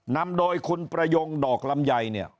นำโดยคุณประยงดอกลำไยเนี่ย